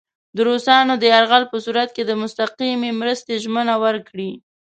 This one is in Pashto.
د روسانو د یرغل په صورت کې د مستقیمې مرستې ژمنه ورکړي.